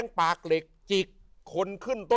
สวัสดีครับ